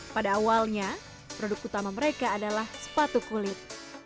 pada awalnya produk utama mereka adalah sepatu kulit